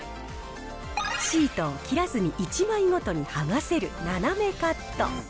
シートを切らずに１枚ごとに剥がせるななめカット。